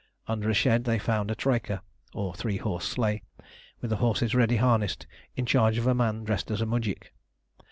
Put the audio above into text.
Under a shed they found a troika, or three horse sleigh, with the horses ready harnessed, in charge of a man dressed as a mujik.